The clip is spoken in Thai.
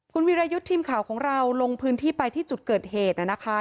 คุณวิรายุทธ์ทีมข่าวของเราลงพื้นที่ไปที่จุดเกิดเหตุนะคะ